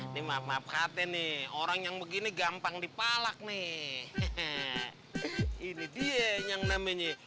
nih maaf maafkan nih orang yang begini gampang dipalak nih ini dia yang namanya